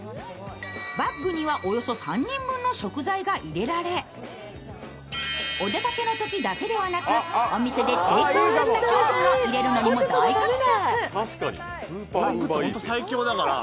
バッグには、およそ３人分の食材が入れられお出かけのときだけではなくお店でテークアウトした商品を入れるのにも大活躍。